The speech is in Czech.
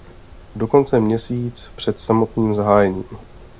Dokonce měsíc před samotným zahájením.